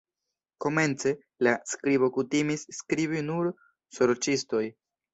Komence, la skribo kutimis skribi nur sorĉistoj.